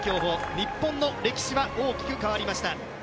日本の歴史は大きく変わりました。